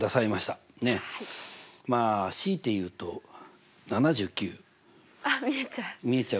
まあ強いて言うと７９。あっ見えちゃう。